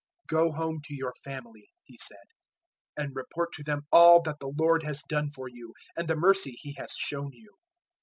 "Go home to your family," He said, "and report to them all that the Lord has done for you, and the mercy He has shown you."